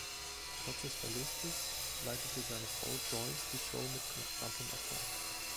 Trotz des Verlustes leitete seine Frau Joyce die Show mit konstantem Erfolg.